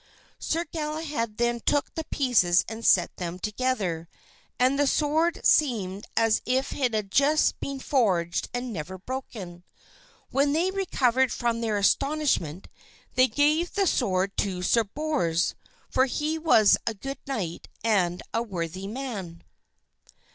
Sir Galahad then took the pieces and set them together, and the sword seemed as if it had just been forged and never broken. When they recovered from their astonishment they gave the sword to Sir Bors, for he was a good knight and a worthy man.